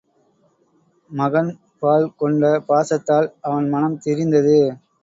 மகன் பால் கொண்ட பாசத்தால் அவன் மனம் திரிந்தது.